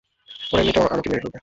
ওরা এমনিতেও আমাকে মেরে ফেলবে।